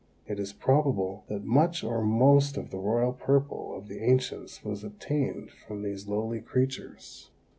It is probable that much or most of the royal purple of the ancients was obtained from these lowly creatures.